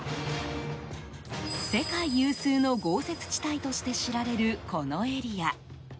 世界有数の豪雪地帯として知られるこのエリア。